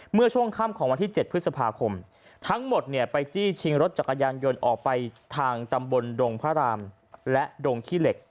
เมื่อช่วงค่ำของวันที่๗พฤษภาคมทั้งหมดเนี่ยไปจี้ชิงรถจักรยานยนต์ออกไปทางตำบลดงพระรามและดงขี้เหล็ก